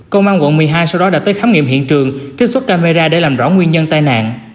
công an quận một mươi hai sau đó đã tới khám nghiệm hiện trường trích xuất camera để làm rõ nguyên nhân tai nạn